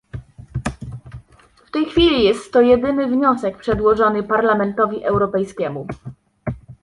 W tej chwili jest to jedyny wniosek przedłożony Parlamentowi Europejskiemu